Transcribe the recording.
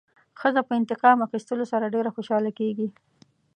ښځه په انتقام اخیستلو سره ډېره خوشحاله کېږي.